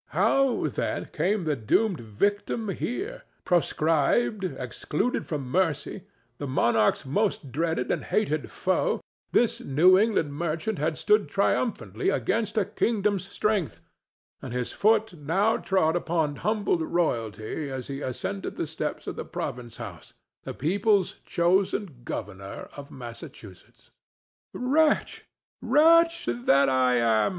How, then, came the doomed victim here? Proscribed, excluded from mercy, the monarch's most dreaded and hated foe, this New England merchant had stood triumphantly against a kingdom's strength, and his foot now trod upon humbled royalty as he ascended the steps of the province house, the people's chosen governor of Massachusetts. "Wretch, wretch that I am!"